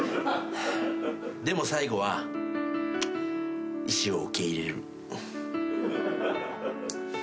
でも最後は意思を受け入れる。